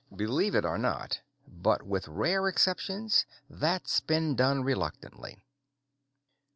"Believe it or not, but with rare exceptions that's been done reluctantly.